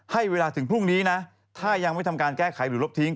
ให้เวลาถึงพรุ่งนี้นะถ้ายังไม่ทำการแก้ไขหรือลบทิ้ง